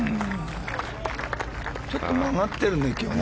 ちょっと曲がってるね。